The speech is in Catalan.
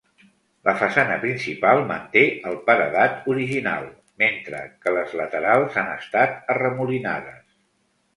La façana principal manté el paredat original, mentre que les laterals han estat arremolinades.